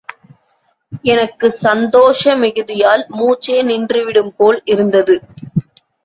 எனக்கு சந்தோச மிகுதியால் மூச்சே நின்றுவிடும்போல் இருந்தது.